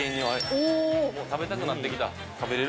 もう食べたくなってきた。